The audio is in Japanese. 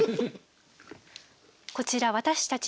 こちら私たち